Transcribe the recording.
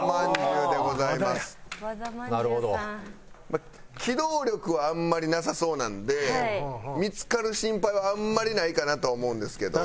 まあ機動力はあんまりなさそうなんで見付かる心配はあんまりないかなとは思うんですけど。